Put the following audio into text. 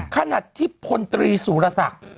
ขณะที่พลตรีสุรศักดิ์